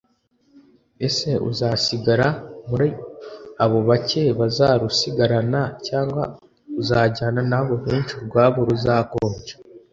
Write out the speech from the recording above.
Ese uzasigara muri abo bake bazarusigarana cyangwa uzajyana n’abo benshi urwabo ruzakonja